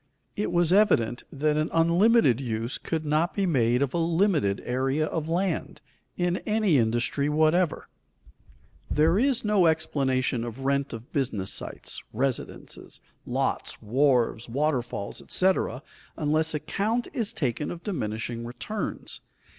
It was evident that an unlimited use could not be made of a limited area of land, in any industry whatever. There is no explanation of rent of business sites, residences, lots, wharves, waterfalls, etc., unless account is taken of diminishing returns.